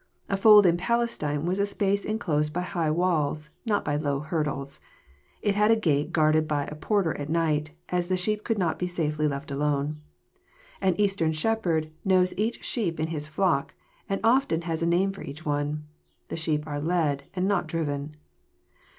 A fold in Palestine was a space enclosed by high walls, not by low hurdles. It had a gate guarded by a porter at night, as the sheep could not be safely left alone. An Eastern shepherd knows each sheep in his flock, and often has a name for each one. The sheep are led, and not driven.